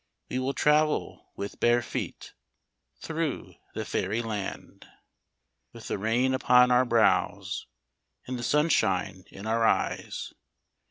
We will travel with bare feet Through the faery land, With the rain upon our brows And the sunshine in our eyes.